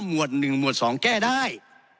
หมวดหนึ่งหมวดสองแก้ได้